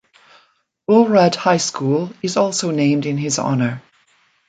Bolhrad High School is also named in his honor.